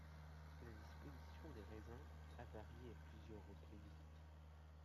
La disposition des raisins a varié à plusieurs reprises.